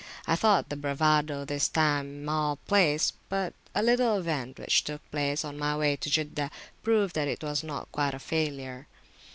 I thought the bravado this time mal place; but a little event which took place on my way to Jeddah proved that it was not quite a failure.